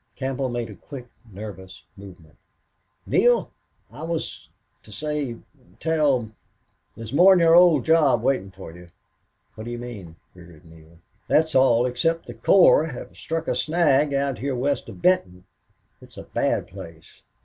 Campbell made a quick, nervous movement. "Neale, I was to say tell There's more 'n your old job waitin' for you." "What do you mean?" queried Neale. "That's all, except the corps have struck a snag out here west of Benton. It's a bad place.